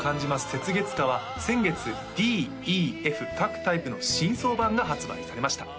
「雪月花」は先月Ｄ・Ｅ・Ｆ各タイプの新装盤が発売されました